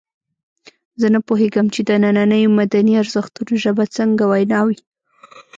زه نه پوهېږم چې د نننیو مدني ارزښتونو ژبه څنګه وینا وي.